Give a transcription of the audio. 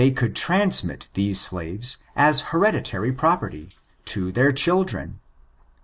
523 could transmit these slaves* as hereditary property, to their children.